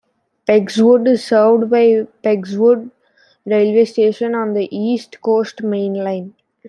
Pegswood is served by Pegswood railway station on the East Coast Main Line.